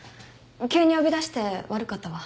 急に呼び出して悪かったわ。